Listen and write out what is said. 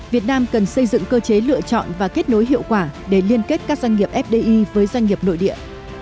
việt nam cần xây dựng cơ chế lựa chọn và kết nối hiệu quả để liên kết các doanh nghiệp fdi với doanh nghiệp nội địa